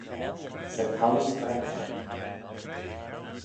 Sy Thalloo Vretnagh.